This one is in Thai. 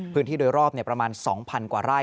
พื้นที่โดยรอบประมาณ๒๐๐๐กว่าไร่